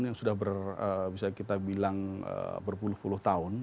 yang sudah bisa kita bilang berpuluh puluh tahun